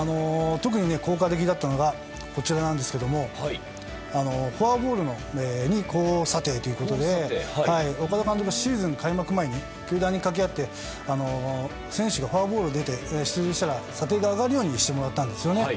特に効果的だったのがフォアボールに高査定ということで岡田監督はシーズン開幕前に球団に掛け合って選手がフォアボールで出て出塁したら査定が上がるようにしてもらったんですよね。